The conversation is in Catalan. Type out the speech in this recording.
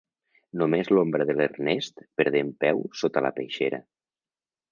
Només l'ombra de l'Ernest perdent peu sota la peixera.